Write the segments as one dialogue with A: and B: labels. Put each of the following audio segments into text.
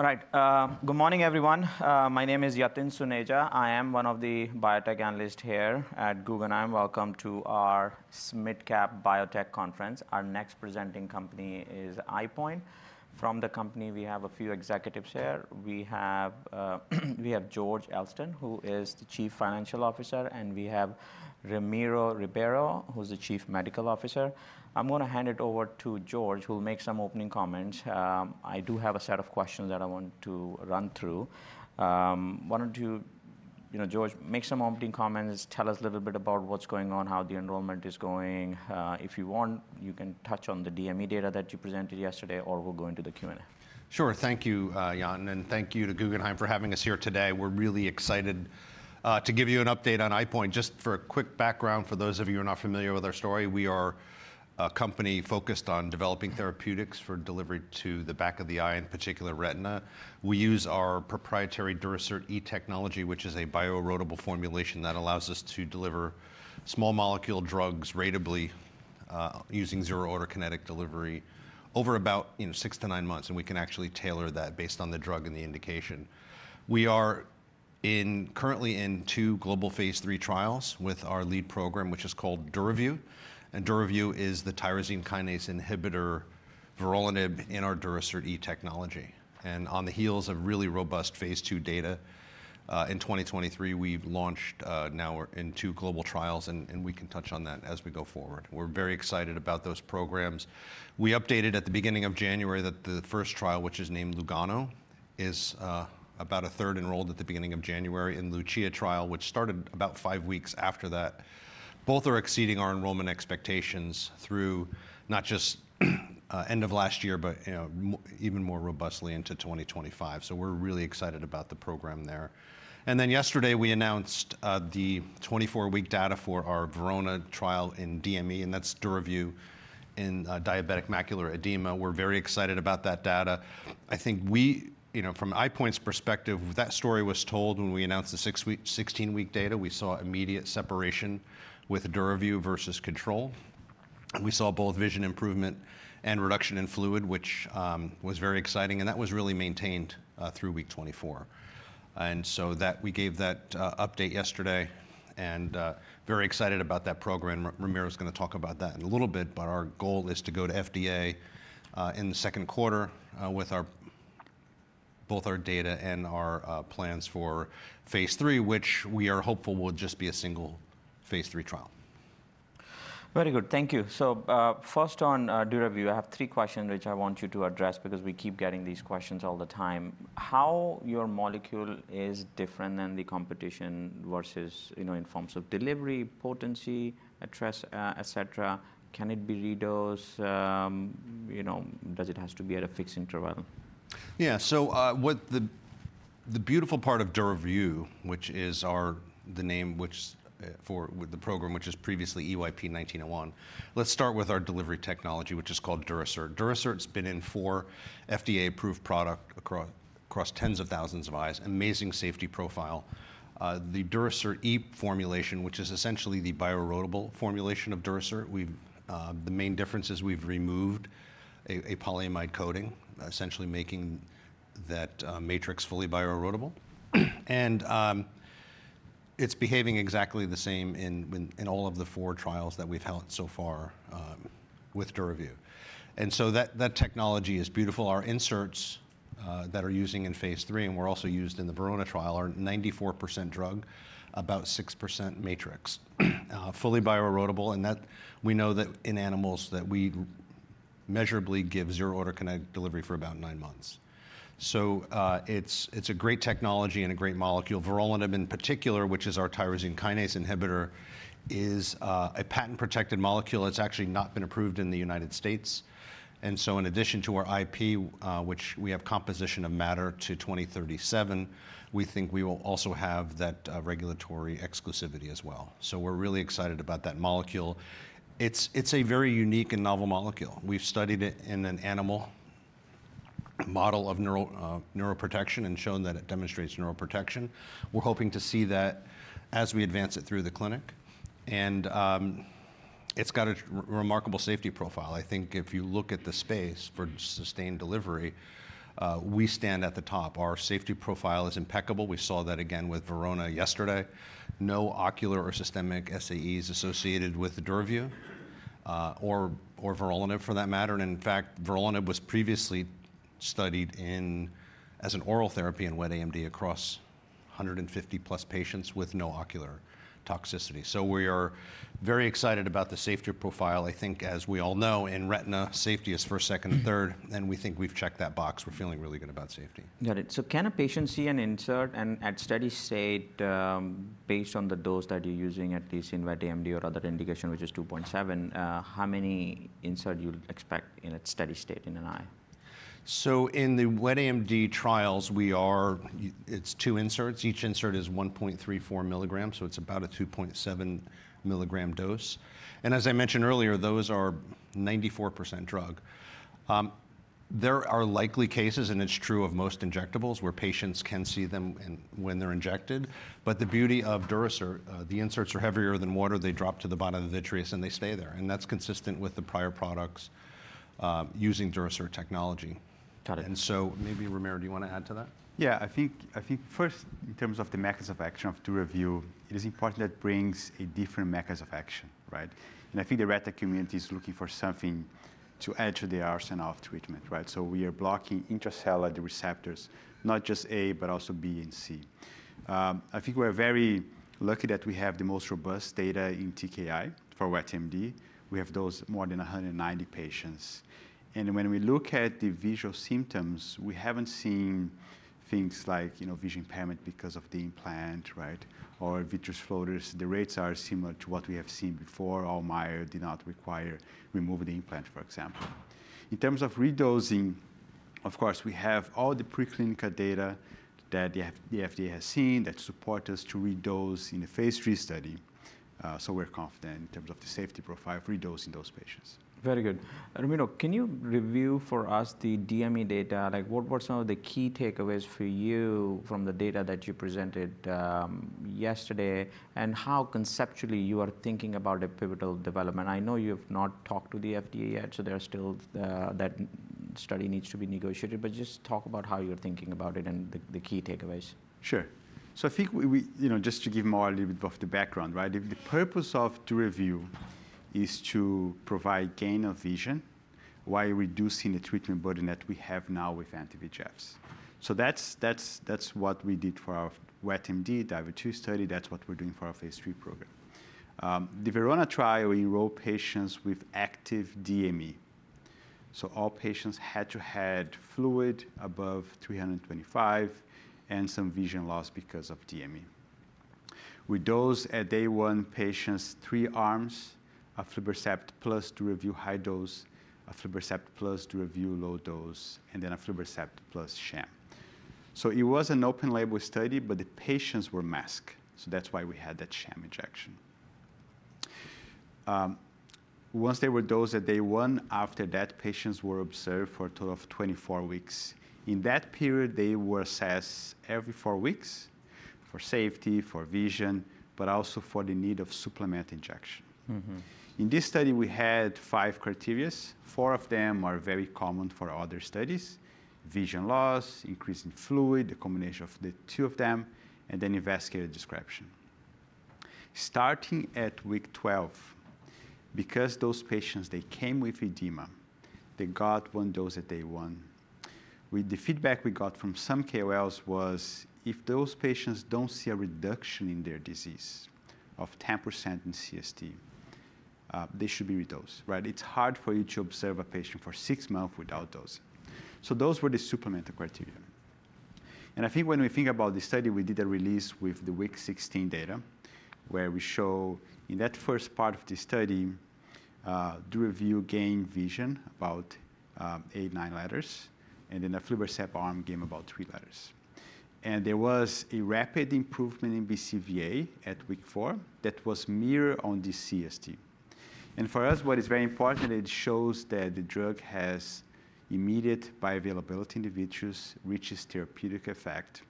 A: All right. Good morning, everyone. My name is Yatin Suneja. I am one of the biotech analysts here at Guggenheim. Welcome to our SMID Cap Biotech Conference. Our next presenting company is EyePoint. From the company, we have a few executives here. We have George Elston, who is the Chief Financial Officer, and we have Ramiro Ribeiro, who's the Chief Medical Officer. I'm going to hand it over to George, who'll make some opening comments. I do have a set of questions that I want to run through. Why don't you, George, make some opening comments, tell us a little bit about what's going on, how the enrollment is going. If you want, you can touch on the DME data that you presented yesterday, or we'll go into the Q&A.
B: Sure. Thank you, Yatin. And thank you to Guggenheim for having us here today. We're really excited to give you an update on EyePoint. Just for a quick background, for those of you who are not familiar with our story, we are a company focused on developing therapeutics for delivery to the back of the eye, in particular retina. We use our proprietary Durasert E technology, which is a bioerodible formulation that allows us to deliver small molecule drugs ratably using zero order kinetic delivery over about six to nine months. And we can actually tailor that based on the drug and the indication. We are currently in two global Phase III trials with our lead program, which is called Duravyu. And Duravyu is the tyrosine kinase inhibitor, vorolanib, in our Durasert E technology. And on the heels of really robust Phase II data, in 2023, we've launched now in two global trials. And we can touch on that as we go forward. We're very excited about those programs. We updated at the beginning of January that the first trial, which is named Lugano, is about a third enrolled at the beginning of January in the Lucia trial, which started about five weeks after that. Both are exceeding our enrollment expectations through not just the end of last year, but even more robustly into 2025. So we're really excited about the program there. And then yesterday, we announced the 24-week data for our Verona trial in DME. And that's Duravyu in diabetic macular edema. We're very excited about that data. I think we, from EyePoint's perspective, that story was told when we announced the 16-week data. We saw immediate separation with Duravyu versus control. We saw both vision improvement and reduction in fluid, which was very exciting, and that was really maintained through week 24, and so we gave that update yesterday, and very excited about that program. Ramiro's going to talk about that in a little bit, but our goal is to go to FDA in the second quarter with both our data and our plans for Phase III, which we are hopeful will just be a single Phase III trial.
A: Very good. Thank you. So first on Duravyu, I have three questions which I want you to address because we keep getting these questions all the time. How your molecule is different than the competition versus in terms of delivery, potency, et cetera. Can it be redosed? Does it have to be at a fixed interval?
B: Yeah. So the beautiful part of Duravyu, which is the name for the program, which is previously EYP-1901. Let's start with our delivery technology, which is called Durasert. Durasert 's been in four FDA-approved products across tens of thousands of eyes, amazing safety profile. The Durasert E formulation, which is essentially the bioerodible formulation of Durasert, the main difference is we've removed a polyamide coating, essentially making that matrix fully bioerodible. And it's behaving exactly the same in all of the four trials that we've held so far with Duravyu. And so that technology is beautiful. Our inserts that are using in Phase III, and were also used in the Verona trial, are 94% drug, about 6% matrix, fully bioerodible. And we know that in animals that we measurably give zero order kinetic delivery for about nine months. So it's a great technology and a great molecule. vorolanib, in particular, which is our tyrosine kinase inhibitor, is a patent-protected molecule. It's actually not been approved in the United States, and so in addition to our IP, which we have composition of matter to 2037, we think we will also have that regulatory exclusivity as well, so we're really excited about that molecule. It's a very unique and novel molecule. We've studied it in an animal model of neuroprotection and shown that it demonstrates neuroprotection. We're hoping to see that as we advance it through the clinic, and it's got a remarkable safety profile. I think if you look at the space for sustained delivery, we stand at the top. Our safety profile is impeccable. We saw that again with Verona yesterday. No ocular or systemic SAEs associated with Duravyu or vorolanib for that matter. In fact, vorolanib was previously studied as an oral therapy in wet AMD across 150-plus patients with no ocular toxicity. We are very excited about the safety profile. I think as we all know, in retina, safety is first, second, and third. We think we've checked that box. We're feeling really good about safety.
A: Got it. So can a patient see an insert? And at steady state, based on the dose that you're using, at least in wet AMD or other indication, which is 2.7, how many insert you'd expect in a steady state in an eye?
B: So in the wet AMD trials, it's two inserts. Each insert is 1.34 milligrams. So it's about a 2.7 milligram dose. And as I mentioned earlier, those are 94% drug. There are likely cases, and it's true of most injectables, where patients can see them when they're injected. But the beauty of Durasert, the inserts are heavier than water. They drop to the bottom of the vitreous, and they stay there. And that's consistent with the prior products using Durasert technology.
A: Got it.
B: And so maybe, Ramiro, do you want to add to that?
C: Yeah. I think first, in terms of the mechanism of action of Duravyu, it is important that it brings a different mechanism of action. And I think the retina community is looking for something to add to their arsenal of treatment. So we are blocking intracellular receptors, not just A, but also B and C. I think we're very lucky that we have the most robust data in TKI for wet AMD. We have those more than 190 patients. And when we look at the visual symptoms, we haven't seen things like vision impairment because of the implant or vitreous floaters. The rates are similar to what we have seen before. All myodesopsia did not require removing the implant, for example. In terms of redosing, of course, we have all the preclinical data that the FDA has seen that supports us to redose in a Phase III study. So we're confident in terms of the safety profile of redosing those patients.
A: Very good. Ramiro, can you review for us the DME data? What were some of the key takeaways for you from the data that you presented yesterday? And how conceptually you are thinking about a pivotal development? I know you have not talked to the FDA yet. So there's still that study needs to be negotiated. But just talk about how you're thinking about it and the key takeaways.
C: Sure, so I think just to give a little bit more of the background, the purpose of Duravyu is to provide gain of vision while reducing the treatment burden that we have now with anti-VEGFs, so that's what we did for our wet AMD, diabetes study. That's what we're doing for our Phase III program. The Verona trial enrolled patients with active DME, so all patients had to have fluid above 325 and some vision loss because of DME. We dosed at day one patients three arms of aflibercept plus Duravyu high dose, a aflibercept plus Duravyu low dose, and then a aflibercept plus sham, so it was an open label study, but the patients were masked, so that's why we had that sham injection. Once they were dosed at day one, after that, patients were observed for a total of 24 weeks. In that period, they were assessed every four weeks for safety, for vision, but also for the need of supplemental injection. In this study, we had five criteria. Four of them are very common for other studies: vision loss, increase in fluid, the combination of the two of them, and then investigator discretion. Starting at week 12, because those patients, they came with edema, they got one dose at day one. The feedback we got from some KOLs was, if those patients don't see a reduction in their disease of 10% in CST, they should be redosed. It's hard for you to observe a patient for six months without dosing. So those were the supplemental criteria. And I think when we think about the study, we did a release with the week 16 data, where we show in that first part of the study, Duravyu gained vision about eight, nine letters. And then the aflibercept arm gained about three letters. And there was a rapid improvement in BCVA at week four that was mirrored on the CST. And for us, what is very important, it shows that the drug has immediate bioavailability in the vitreous, reaches therapeutic effect.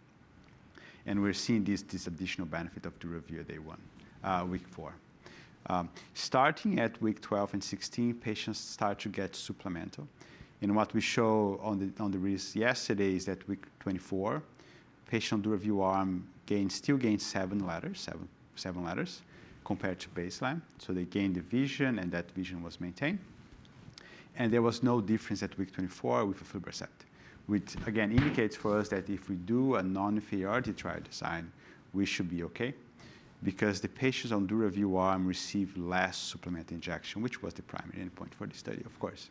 C: And we're seeing this additional benefit of Duravyu at day one, week four. Starting at week 12 and 16, patients start to get supplemental. And what we show on the release yesterday is that week 24, patient Duravyu arm still gained seven letters, seven letters, compared to baseline. So they gained the vision, and that vision was maintained. And there was no difference at week 24 with the aflibercept, which again indicates for us that if we do a non-inferiority trial design, we should be OK because the patients on Duravyu arm received less supplemental injection, which was the primary endpoint for the study, of course.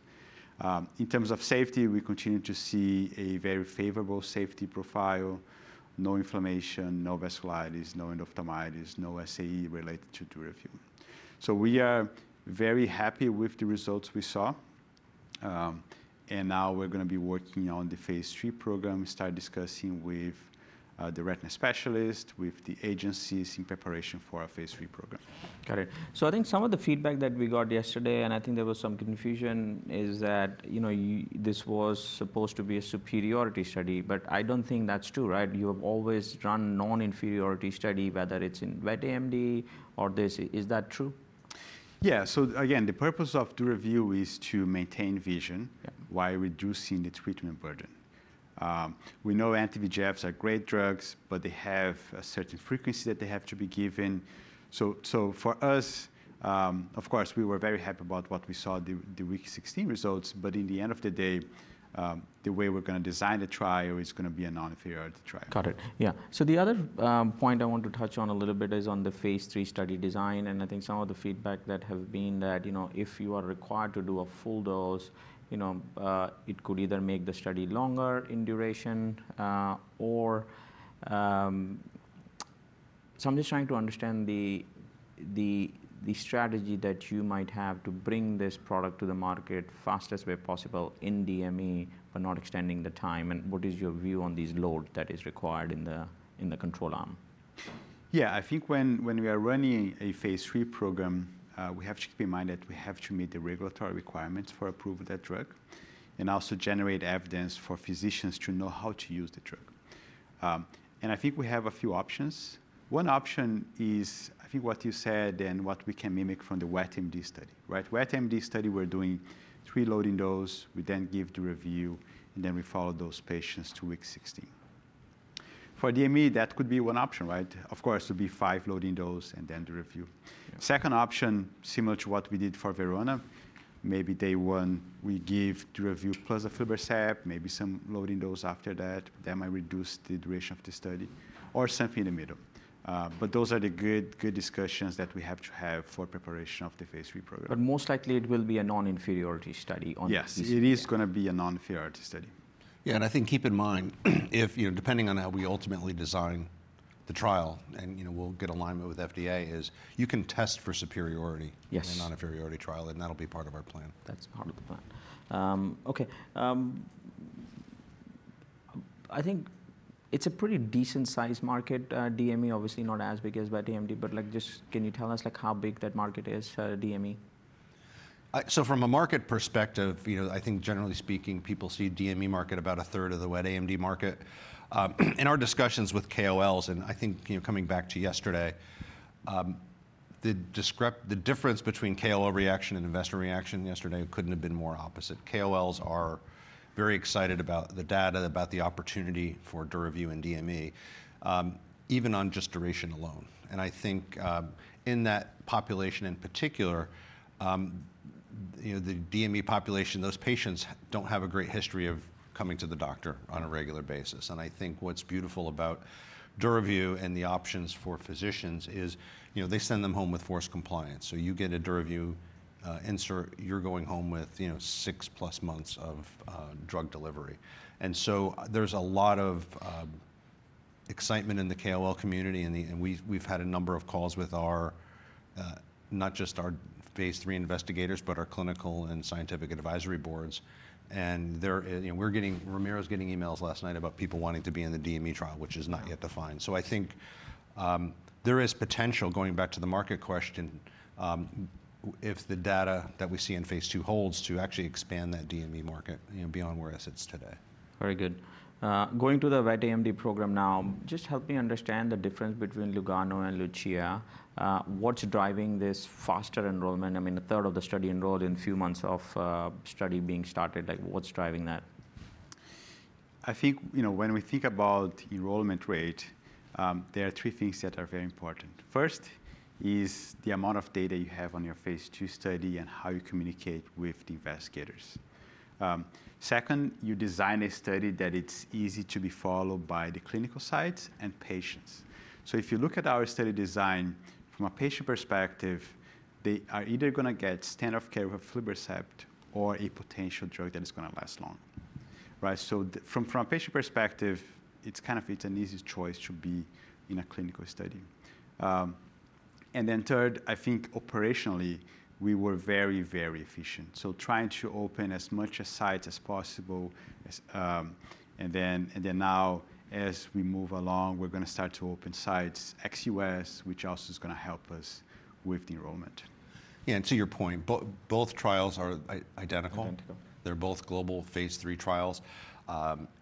C: In terms of safety, we continue to see a very favorable safety profile, no inflammation, no vasculitis, no endophthalmitis, no SAE related to Duravyu. So we are very happy with the results we saw. And now we're going to be working on the Phase III program, start discussing with the retina specialists, with the agencies in preparation for our Phase III program.
A: Got it, so I think some of the feedback that we got yesterday, and I think there was some confusion, is that this was supposed to be a superiority study, but I don't think that's true. You have always run non-inferiority study, whether it's in wet AMD or this. Is that true?
C: Yeah. So again, the purpose of Duravyu is to maintain vision while reducing the treatment burden. We know anti-VEGFs are great drugs, but they have a certain frequency that they have to be given. So for us, of course, we were very happy about what we saw, the week 16 results. But in the end of the day, the way we're going to design the trial is going to be a non-inferiority trial.
A: Got it. Yeah. So the other point I want to touch on a little bit is on the phase 3 study design. And I think some of the feedback that have been that if you are required to do a full dose, it could either make the study longer in duration. So I'm just trying to understand the strategy that you might have to bring this product to the market fastest way possible in DME, but not extending the time. And what is your view on these loads that are required in the control arm?
C: Yeah. I think when we are running a phase 3 program, we have to keep in mind that we have to meet the regulatory requirements for approval of that drug and also generate evidence for physicians to know how to use the drug. I think we have a few options. One option is, I think what you said and what we can mimic from the wet AMD study. Wet AMD study, we're doing three loading dose. We then give Duravyu. And then we follow those patients to week 16. For DME, that could be one option. Of course, it would be five loading dose and then Duravyu. Second option, similar to what we did for Verona, maybe day one, we give Duravyu plus an aflibercept, maybe some loading dose after that. That might reduce the duration of the study or something in the middle. But those are the good discussions that we have to have for preparation of the Phase III program.
A: But most likely, it will be a non-inferiority study on the phase 3.
C: Yes. It is going to be a non-inferiority study.
B: Yeah, and I think keep in mind, depending on how we ultimately design the trial and we'll get alignment with FDA, is you can test for superiority in a non-inferiority trial, and that'll be part of our plan.
C: That's part of the plan.
A: OK. I think it's a pretty decent-sized market. DME, obviously, not as big as wet AMD. But just can you tell us how big that market is, DME?
B: So from a market perspective, I think generally speaking, people see DME market about a third of the wet AMD market. In our discussions with KOLs, and I think coming back to yesterday, the difference between KOL reaction and investor reaction yesterday couldn't have been more opposite. KOLs are very excited about the data, about the opportunity for Duravyu and DME, even on just duration alone. And I think in that population in particular, the DME population, those patients don't have a great history of coming to the doctor on a regular basis. And I think what's beautiful about Duravyu and the options for physicians is they send them home with forced compliance. So you get a Duravyu insert. You're going home with six-plus months of drug delivery. And so there's a lot of excitement in the KOL community. We've had a number of calls with not just our phase 3 investigators, but our clinical and scientific advisory boards. Ramiro's getting emails last night about people wanting to be in the DME trial, which is not yet defined. I think there is potential, going back to the market question, if the data that we see in phase 2 holds to actually expand that DME market beyond where it sits today.
A: Very good. Going to the wet AMD program now, just help me understand the difference between Lugano and LUCIA. What's driving this faster enrollment? I mean, a third of the study enrolled in a few months of study being started. What's driving that?
C: I think when we think about enrollment rate, there are three things that are very important. First is the amount of data you have on your phase 2 study and how you communicate with the investigators. Second, you design a study that it's easy to be followed by the clinical sites and patients. So if you look at our study design from a patient perspective, they are either going to get standard of care with an aflibercept or a potential drug that is going to last long. So from a patient perspective, it's kind of an easy choice to be in a clinical study. And then third, I think operationally, we were very, very efficient. So trying to open as much sites as possible. And then now, as we move along, we're going to start to open sites ex-U.S., which also is going to help us with the enrollment.
B: Yeah. And to your point, both trials are identical. They're both global phase 3 trials.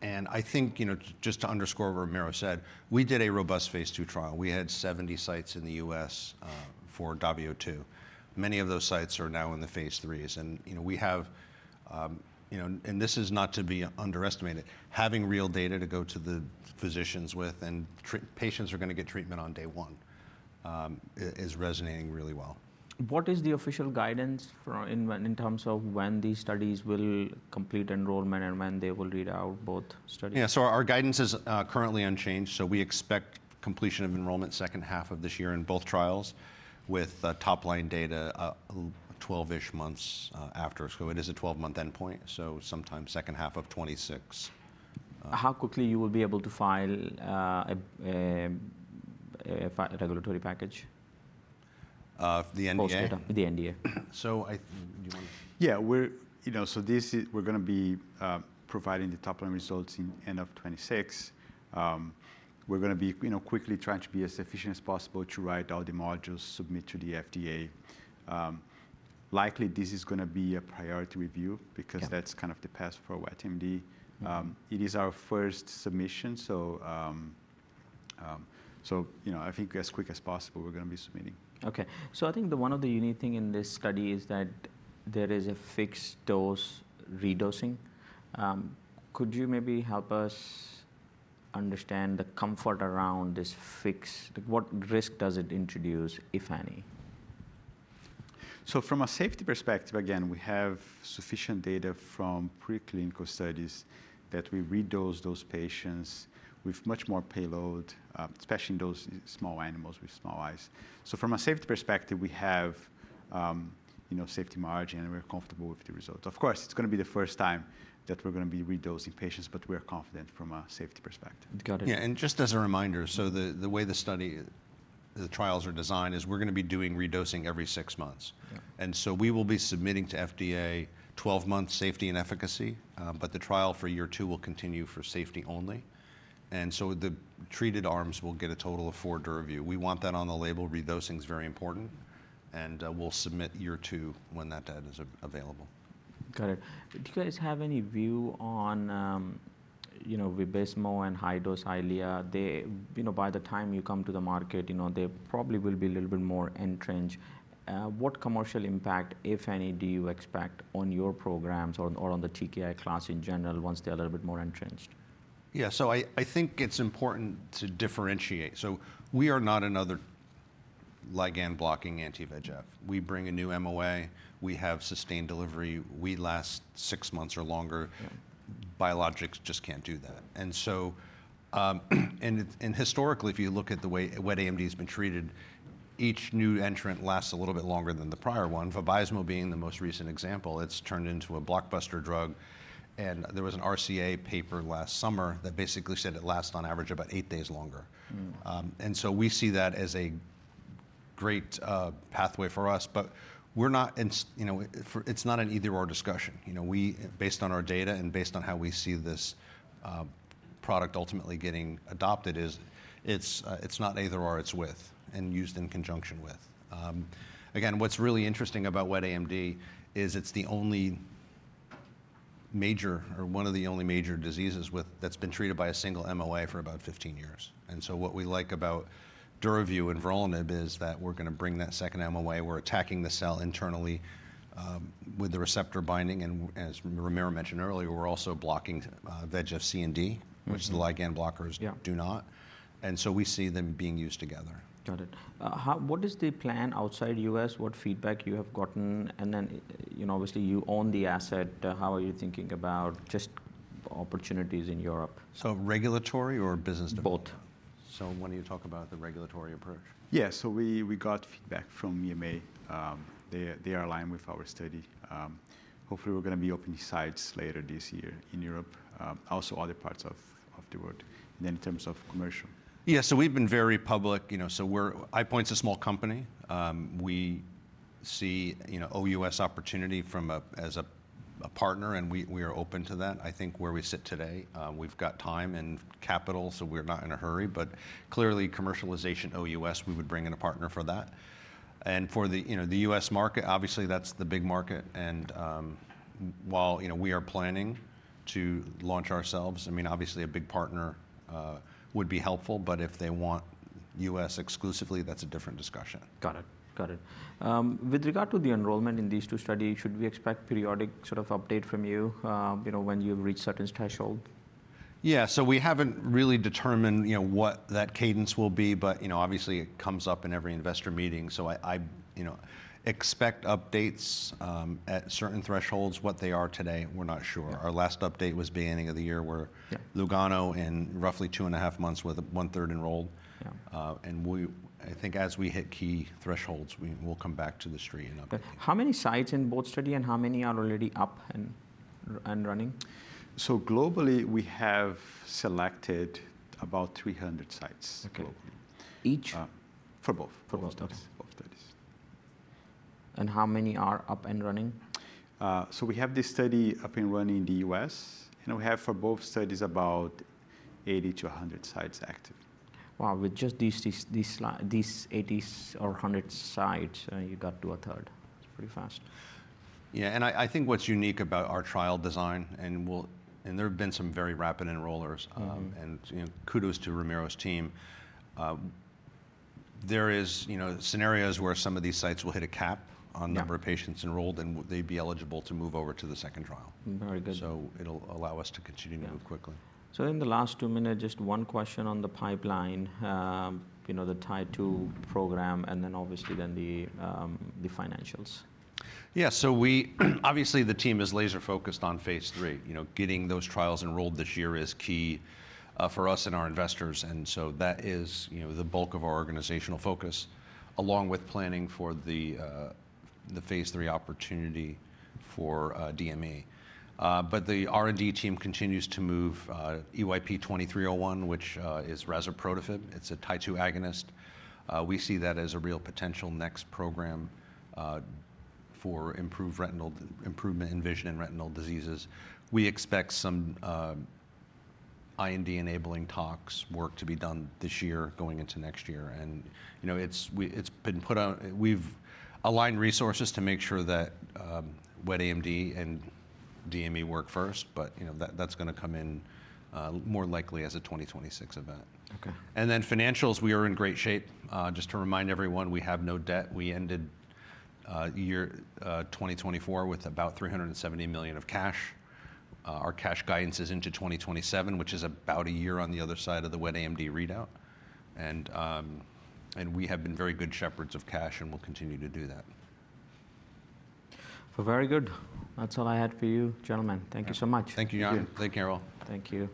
B: And I think just to underscore what Ramiro said, we did a robust phase 2 trial. We had 70 sites in the U.S. for DAVIO 2. Many of those sites are now in the phase 3s. And we have, and this is not to be underestimated, having real data to go to the physicians with. And patients are going to get treatment on day one is resonating really well.
A: What is the official guidance in terms of when these studies will complete enrollment and when they will read out both studies?
B: Yeah. So our guidance is currently unchanged. So we expect completion of enrollment second half of this year in both trials with top line data 12-ish months after. So it is a 12-month endpoint. So sometime second half of 2026.
A: How quickly you will be able to file a regulatory package?
B: The NDA?
A: Post NDA.
B: Do you want to?
C: Yeah. So we're going to be providing the top line results in end of 2026. We're going to be quickly trying to be as efficient as possible to write all the modules, submit to the FDA. Likely, this is going to be a priority review because that's kind of the path for wet AMD. It is our first submission. So I think as quick as possible, we're going to be submitting.
A: OK. I think one of the unique things in this study is that there is a fixed-dose redosing. Could you maybe help us understand the comfort around this fixed? What risk does it introduce, if any?
C: So from a safety perspective, again, we have sufficient data from preclinical studies that we redose those patients with much more payload, especially in those small animals with small eyes. So from a safety perspective, we have safety margin. And we're comfortable with the results. Of course, it's going to be the first time that we're going to be redosing patients. But we are confident from a safety perspective.
A: Got it.
B: Yeah. And just as a reminder, so the way the trials are designed is we're going to be doing redosing every six months. And so we will be submitting to FDA 12-month safety and efficacy. But the trial for year two will continue for safety only. And so the treated arms will get a total of four Duravyu. We want that on the label. Redosing is very important. And we'll submit year two when that data is available.
A: Got it. Do you guys have any view on Vabysmo and high-dose Eylea? By the time you come to the market, they probably will be a little bit more entrenched. What commercial impact, if any, do you expect on your programs or on the TKI class in general once they're a little bit more entrenched?
B: Yeah. So I think it's important to differentiate, so we are not another ligand-blocking anti-VEGF. We bring a new MOA. We have sustained delivery. We last six months or longer. Biologics just can't do that, and historically, if you look at the way wet AMD has been treated, each new entrant lasts a little bit longer than the prior one. Vabysmo being the most recent example, it's turned into a blockbuster drug, and there was an RCA paper last summer that basically said it lasts on average about eight days longer, and so we see that as a great pathway for us, but it's not an either/or discussion. Based on our data and based on how we see this product ultimately getting adopted, it's not either/or. It's with and used in conjunction with. Again, what's really interesting about wet AMD is it's the only major or one of the only major diseases that's been treated by a single MOA for about 15 years. And so what we like about Duravyu and vorolanib is that we're going to bring that second MOA. We're attacking the cell internally with the receptor binding. And as Ramiro mentioned earlier, we're also blocking VEGF, C, and D, which the ligand blockers do not. And so we see them being used together.
A: Got it. What is the plan outside U.S.? What feedback you have gotten? And then obviously, you own the asset. How are you thinking about just opportunities in Europe?
B: So regulatory or business development?
A: Both.
B: So when you talk about the regulatory approach.
C: Yeah. So we got feedback from EMA. They are aligned with our study. Hopefully, we're going to be opening sites later this year in Europe, also other parts of the world. And then in terms of commercial.
B: Yeah. So we've been very public. So EyePoint's a small company. We see OUS opportunity as a partner. And we are open to that. I think where we sit today, we've got time and capital. So we're not in a hurry. But clearly, commercialization OUS, we would bring in a partner for that. And for the US market, obviously, that's the big market. And while we are planning to launch ourselves, I mean, obviously, a big partner would be helpful. But if they want US exclusively, that's a different discussion.
A: Got it. Got it. With regard to the enrollment in these two studies, should we expect periodic sort of update from you when you've reached certain threshold?
B: Yeah. So we haven't really determined what that cadence will be. But obviously, it comes up in every investor meeting. So I expect updates at certain thresholds. What they are today, we're not sure. Our last update was beginning of the year where LUGANO in roughly 2 and 1/2 months with 1/3 enrolled. And I think as we hit key thresholds, we'll come back to the street in a month.
A: How many sites in both studies and how many are already up and running?
C: Globally, we have selected about 300 sites globally.
A: Each?
C: For both.
A: For both studies.
C: For both studies.
A: How many are up and running?
C: So we have this study up and running in the U.S. And we have for both studies about 80-100 sites active.
A: Wow. With just these 80 or 100 sites, you got to a third. That's pretty fast.
B: Yeah. And I think what's unique about our trial design, and there have been some very rapid enrollers. And kudos to Ramiro's team. There are scenarios where some of these sites will hit a cap on number of patients enrolled. And they'd be eligible to move over to the second trial.
A: Very good.
B: So it'll allow us to continue to move quickly.
A: So in the last two minutes, just one question on the pipeline, the Tie-2 program, and then obviously then the financials.
B: Yeah. So obviously, the team is laser-focused on Phase III. Getting those trials enrolled this year is key for us and our investors. And so that is the bulk of our organizational focus, along with planning for the Phase III opportunity for DME. But the R&D team continues to move EYP-2301, which is Razuprotafib. It's a Tie-2 agonist. We see that as a real potential next program for improvement in vision and retinal diseases. We expect some IND-enabling tox work to be done this year going into next year. And it's been put on. We've aligned resources to make sure that wet AMD and DME work first. But that's going to come in more likely as a 2026 event. And then financials, we are in great shape. Just to remind everyone, we have no debt. We ended year 2024 with about $370 million of cash. Our cash guidance is into 2027, which is about a year on the other side of the Wet AMD readout. And we have been very good shepherds of cash. And we'll continue to do that.
A: Very good. That's all I had for you, gentlemen. Thank you so much.
B: Thank you, Yatin. Thank you, Carol.
A: Thank you.